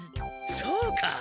そうか。